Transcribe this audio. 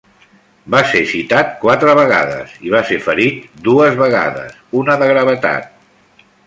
Va ser citat quatre vegades, i va ser ferit dues vegades, una de gravetat.